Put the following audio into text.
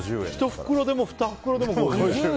１袋でも２袋でも５０円。